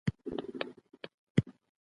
شاعران ورپسي ودرېدل